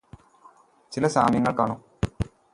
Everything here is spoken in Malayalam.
ചില സാമ്യങ്ങൾ കാണും.